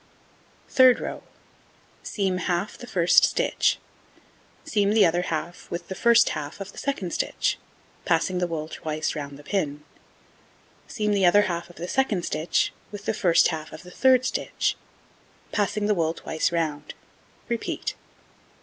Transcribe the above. Third row: Seam half the 1st stitch, seam the other half with the 1st half of the 2d stitch, passing the wool twice round the pin, seam the other half of the 2d stitch with the 1st half of the 3d stitch, passing the wool twice round; repeat.